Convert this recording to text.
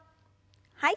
はい。